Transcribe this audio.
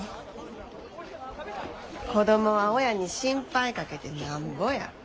子供は親に心配かけてなんぼや。